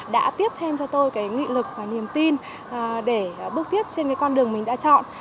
đã tiếp thêm cho tôi nghị lực và niềm tin để bước tiếp trên con đường mình đã chọn